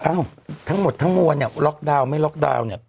ทั้งหมดทั้งมวลเนี่ยล็อกดาวน์ไม่ล็อกดาวน์เนี่ย